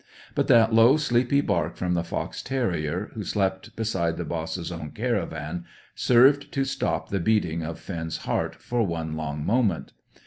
But that low, sleepy bark from the fox terrier who slept beside the boss's own caravan, served to stop the beating of Finn's heart for one long moment.